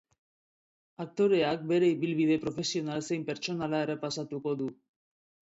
Aktoreak bere ibilbide profesional zein pertsonala errepasatuko du.